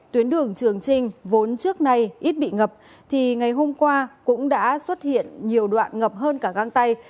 tuyến đường trường trinh vốn trước nay ít bị ngập thì ngày hôm qua cũng đã xuất hiện nhiều đoạn ngập hơn cả găng tay